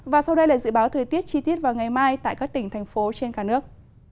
và sau đây là dự báo thời tiết chi tiết vào ngày mai tại các tỉnh thành phố trên cả nước